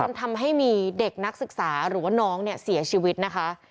ทำให้มีเด็กนักศึกษาหรือว่าน้องเนี่ยเสียชีวิตนะคะ